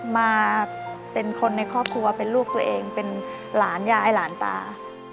มาเป็นคนในครอบครัวเป็นลูกตัวเองเป็นหลานยายหลานตา